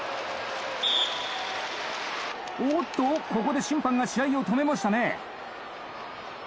おっとここで審判が試合を止めましたね。